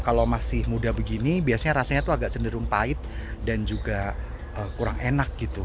kalau masih muda begini biasanya rasanya tuh agak cenderung pahit dan juga kurang enak gitu